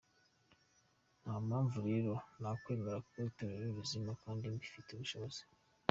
Nta mpamvu rero nakwemera ko itorero rizima kandi mbifitiye ubushobozi.